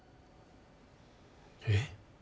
えっ？